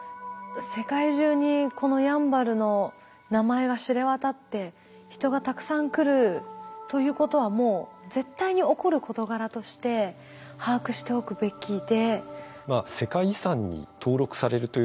世界中にこのやんばるの名前が知れ渡って人がたくさん来るということはもう絶対に起こる事柄として把握しておくべきで。